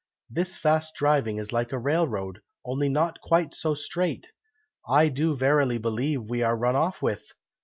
This fast driving is like a railroad, only not quite so straight! I do verily believe we are run off with!